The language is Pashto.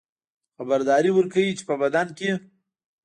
خبرداری ورکوي چې په بدن کې